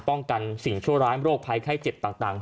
ป้องกันสิ่งชั่วร้ายโรคภัยไข้เจ็บต่าง